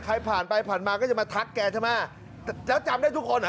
ใครผ่านไปผ่านมาก็จะมาทักแกใช่ไหมแล้วจำได้ทุกคนเหรอ